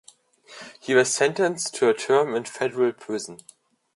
He was sentenced to a term in Federal Prison.